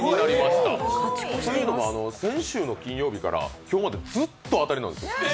というのも先週の金曜日から今日までずっと当たりなんですよ。